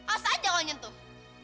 asal aja kalau nyentuh